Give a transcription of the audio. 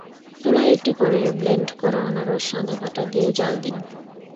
চুলায় একটি কড়াইয়ে ব্লেন্ড করা আনারস আদা বাটা দিয়ে জ্বাল দিন।